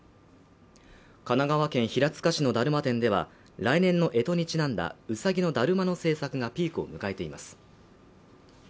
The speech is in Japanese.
神奈川県平塚市のだるま店では来年の干支にちなんだうさぎのだるまの制作がピークを迎えています